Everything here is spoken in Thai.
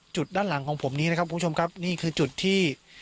ด้านหลังของผมนี้นะครับคุณผู้ชมครับนี่คือจุดที่